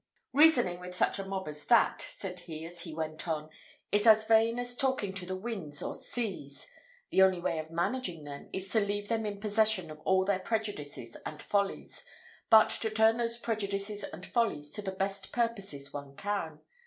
"Reasoning with such a mob as that," said he, as he went on, "is as vain as talking to the winds or the seas. The only way of managing them, is to leave them in possession of all their prejudices and follies, but to turn those prejudices and follies to the best purposes one can.